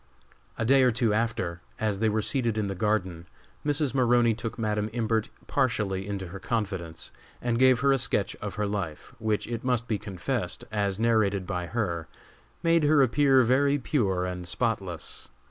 A day or two after, as they were seated in the garden, Mrs. Maroney took Madam Imbert partially into her confidence and gave her a sketch of her life, which, it must be confessed, as narrated by her, made her appear very pure and spotless.